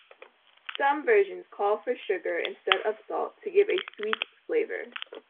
Some versions call for sugar instead of salt to give a sweet flavor.